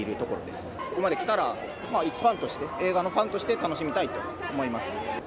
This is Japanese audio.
ここまできたら、いちファンとして、映画のファンとして、楽しみたいと思います。